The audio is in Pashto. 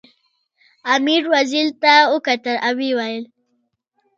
امیر وزیر ته وکتل او ویې ویل.